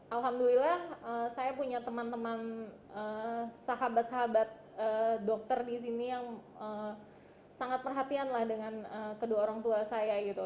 alhamdulillah saya punya teman teman sahabat sahabat dokter di sini yang sangat perhatian lah dengan kedua orang tua saya gitu